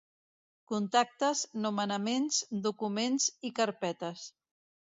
Contactes, Nomenaments, Documents i Carpetes.